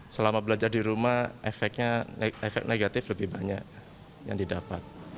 selama belajar di rumah efek negatif lebih banyak yang didapat